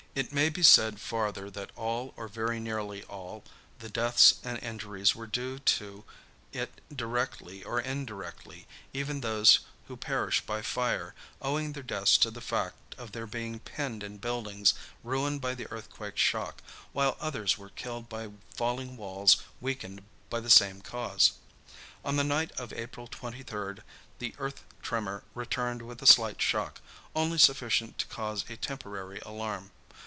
It may be said farther that all, or very nearly all, the deaths and injuries were due to it directly or indirectly, even those who perished by fire owing their deaths to the fact of their being pinned in buildings ruined by the earthquake shock, while others were killed by falling walls weakened by the same cause. On the night of April 23d the earth tremor returned with a slight shock, only sufficient to cause a temporary alarm.